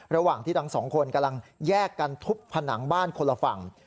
ระหว่างที่ทั้งสองคนกำลังแยกกันทุบผนังบ้านคนละฝั่ง